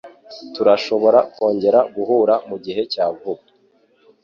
Turashobora kongera guhura mugihe cya vuba.